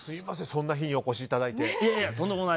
そんな日にお越しいただいて。